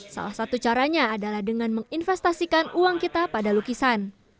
salah satu caranya adalah dengan menginvestasikan uang kita pada lukisan